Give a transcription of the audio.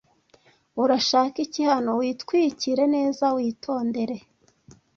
urashaka iki hano witwikire neza witondere